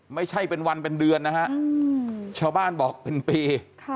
ไม่ใช่เป็นวันเป็นเดือนนะฮะชาวบ้านบอกเป็นปี